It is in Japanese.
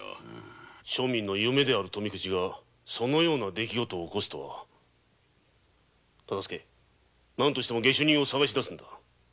庶民の夢である富くじがそのような出来事を起こすとはなんとしても下手人を捜し出すんだ。